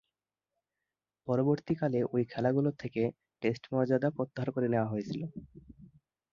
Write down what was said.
পরবর্তীকালে ঐ খেলাগুলো থেকে টেস্ট মর্যাদা প্রত্যাহার করে নেয়া হয়েছিল।